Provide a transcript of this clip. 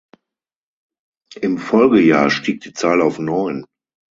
Im Folgejahr stieg die Zahl auf neun.